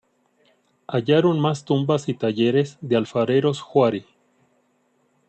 Hallaron más tumbas y talleres de alfareros huari.